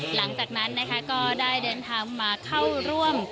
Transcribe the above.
หลังจากนั้นนะคะก็ได้เดินทางมาเข้าร่วม